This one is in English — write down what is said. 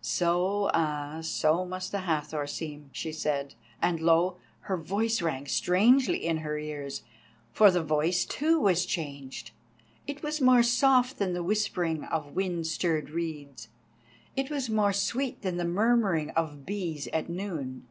"So, ah, so must the Hathor seem," she said, and lo! her voice rang strangely in her ears. For the voice, too, was changed, it was more soft than the whispering of wind stirred reeds; it was more sweet than the murmuring of bees at noon.